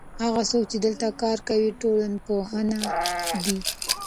هغه څوک چې دلته کار کوي ټولنپوه دی.